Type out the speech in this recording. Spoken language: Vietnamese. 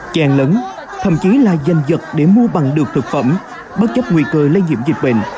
chèn lấn thậm chí là danh dật để mua bằng được thực phẩm bất chấp nguy cơ lây nhiễm dịch bệnh